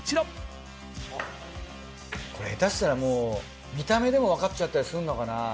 これヘタしたらもう見た目でもわかっちゃったりするのかな？